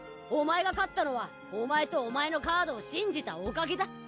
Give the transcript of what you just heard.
お前が勝ったのはお前とお前のカードを信じたおかげだ！